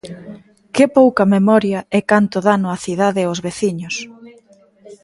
¡Que pouca memoria e canto dano á cidade e aos veciños!